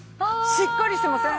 しっかりしていません？